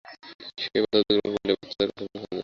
সেই বাধা অতিক্রম করলেই, বাচ্চাদের কাছে পৌঁছে যাবেন।